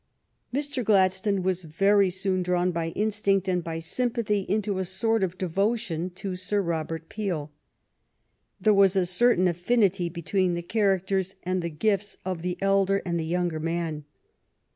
Mr. Gladstone was very soon drawn by instinct and by sympathy into a sort of devotion to Sir Robert Peel. There was a certain affinity between the characters and the gifts of the elder and the younger man.